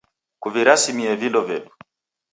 Kuvirasimie vindo vedu.